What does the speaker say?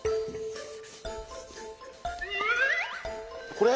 これ？